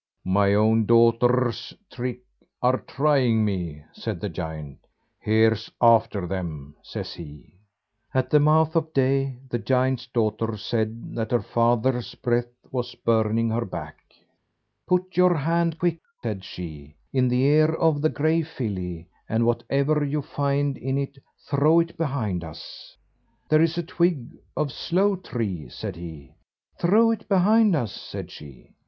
"My own daughter's tricks are trying me," said the giant. "Here's after them," says he. At the mouth of day, the giant's daughter said that her father's breath was burning her back. "Put your hand, quick," said she, "in the ear of the grey filly, and whatever you find in it, throw it behind us." "There is a twig of sloe tree," said he. "Throw it behind us," said she.